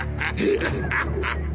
アハハハ。